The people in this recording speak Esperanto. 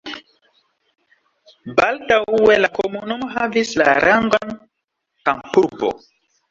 Baldaŭe la komunumo havis la rangon kampurbo.